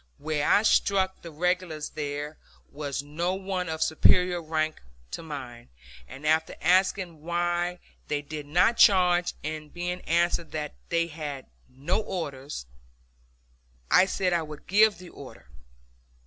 Where I struck the regulars there was no one of superior rank to mine, and after asking why they did not charge, and being answered that they had no orders, I said I would give the order.